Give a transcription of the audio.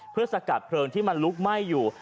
เพื่อสกัดเพลิงที่มันลุกไหม้อยู่